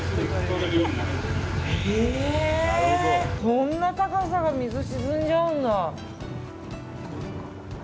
こんな高さが水に沈んじゃうんだ。